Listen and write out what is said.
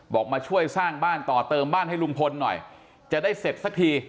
มาช่วยสร้างบ้านต่อเติมบ้านให้ลุงพลหน่อยจะได้เสร็จสักที